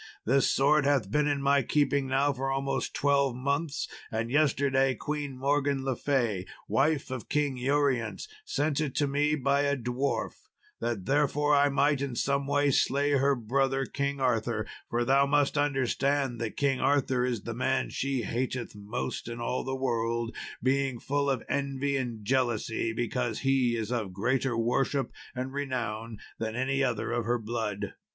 This sword hath been in my keeping now for almost twelve months, and yesterday Queen Morgan le Fay, wife of King Urience, sent it to me by a dwarf, that therewith I might in some way slay her brother, King Arthur; for thou must understand that King Arthur is the man she hateth most in all the world, being full of envy and jealousy because he is of greater worship and renown than any other of her blood.